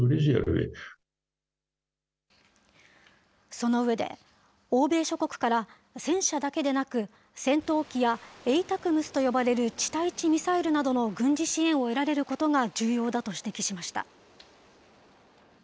その上で、欧米諸国から戦車だけでなく、戦闘機やＡＴＡＣＭＳと呼ばれる地対地ミサイルなどの軍事支援を得られることが重要だと指摘しました。